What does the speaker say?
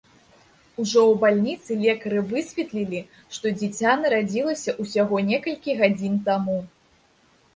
Ужо ў бальніцы лекары высветлілі, што дзіця нарадзілася ўсяго некалькі гадзін таму.